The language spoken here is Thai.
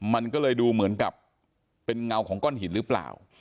มันก็เลยดูเหมือนกับเป็นเงาของก้อนหินหรือเปล่า